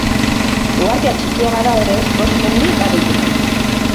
Uhartea txikia bada ere bost mendi baditu.